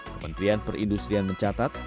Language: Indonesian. kementerian perindustrian mencatat